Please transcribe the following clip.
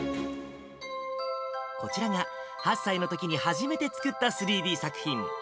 こちらが、８歳のときに初めて作った３Ｄ作品。